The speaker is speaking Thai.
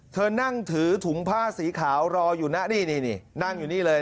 เธอนั่งถือถุงผ้าสีขาวรออยู่นะนี่นั่งอยู่นี่เลย